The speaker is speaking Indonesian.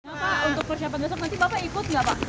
bapak untuk persiapan besok nanti bapak ikut nggak pak